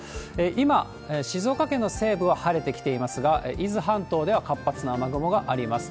今、静岡県の西部は晴れてきていますが、伊豆半島では活発な雨雲があります。